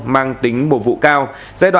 mang tính bổ vụ cao